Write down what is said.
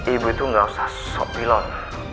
ibu itu gak usah sok pilon